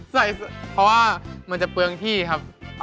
ใส่เพราะว่ามันจะเปลืองที่ครับ